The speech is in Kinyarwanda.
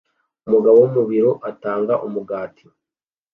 Umugabo wo mu biro atanga umugati